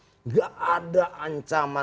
tidak ada ancaman